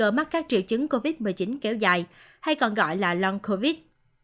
nguy cơ mắc các triệu chứng covid một mươi chín kéo dài hay còn gọi là long covid